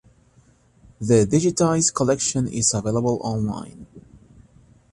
The digitized collection is available online.